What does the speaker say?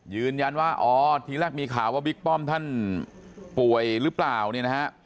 ยืนยันว่าอ๋อทีแรกมีข่าวว่าบิ๊กป้อมท่านป่วยหรือเปล่าเนี่ยนะฮะ